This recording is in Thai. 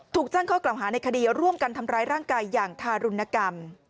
ถูกแจ้งข้อกล่าวหาในคดีร่วมกันทำร้ายร่างกายอย่างทารุณกรรม